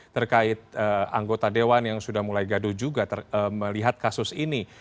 terkait anggota dewan yang sudah mulai gaduh juga melihat kasus ini